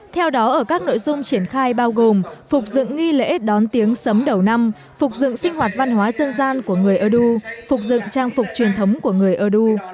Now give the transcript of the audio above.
theo đó ở các nội dung triển khai bao gồm phục dựng nghi lễ đón tiếng sấm đầu năm phục dựng sinh hoạt văn hóa dân gian của người ơ đu phục dựng trang phục truyền thống của người ơ đu